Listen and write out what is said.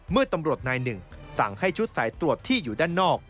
เมื่อตำรวจนายหนึ่งสั่งให้ชุดสายตรวจที่อยู่ด้านนอก